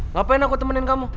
ngapain aku nemenin kamu